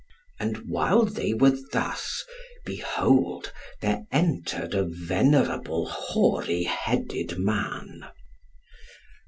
And while they were thus, behold there entered a venerable hoary headed man.